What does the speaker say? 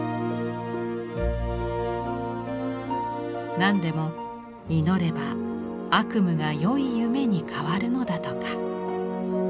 なんでも祈れば悪夢が良い夢に変わるのだとか。